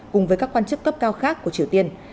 cùng với các quan chức cấp cao khác của triều tiên